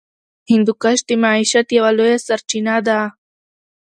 هندوکش د معیشت یوه لویه سرچینه ده.